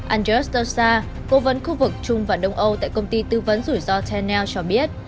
andriy stoltsa cố vấn khu vực trung và đông âu tại công ty tư vấn rủi ro ternel cho biết